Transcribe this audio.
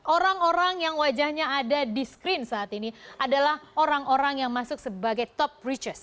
orang orang yang wajahnya ada di screen saat ini adalah orang orang yang masuk sebagai top research